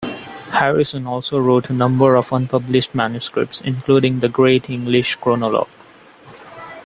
Harrison also wrote a number of unpublished manuscripts, including "The Great English Chronologie".